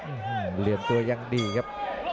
หืมเลยเตรียมตัวยังดีครับ